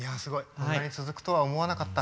こんなに続くとは思わなかった。